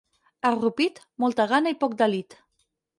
A Rupit, molta gana i poc delit.